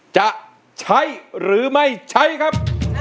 จะใช้หรือไม่ใช้ครับ